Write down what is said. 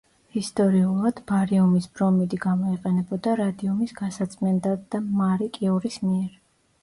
ისტორიულად, ბარიუმის ბრომიდი გამოიყენებოდა რადიუმის გასაწმენდად მარი კიურის მიერ.